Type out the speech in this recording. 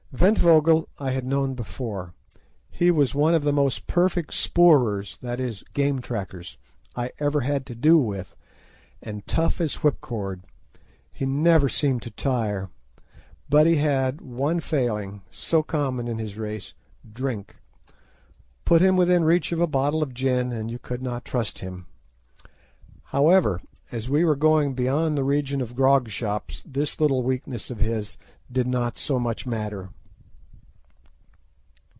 Ventvögel I had known before; he was one of the most perfect "spoorers," that is, game trackers, I ever had to do with, and tough as whipcord. He never seemed to tire. But he had one failing, so common with his race, drink. Put him within reach of a bottle of gin and you could not trust him. However, as we were going beyond the region of grog shops this little weakness of his did not so much matter.